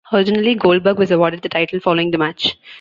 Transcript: Originally, Goldberg was awarded the title following the match.